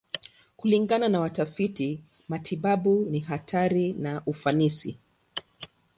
Kulingana na watafiti matibabu, ni hatari na ufanisi.